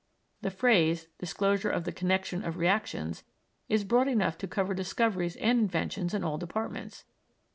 The phrase, disclosure of the connexion of reactions, is broad enough to cover discoveries and inventions in all departments.